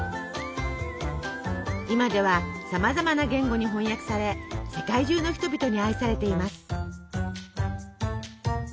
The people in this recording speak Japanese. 今ではさまざまな言語に翻訳され世界中の人々に愛されています。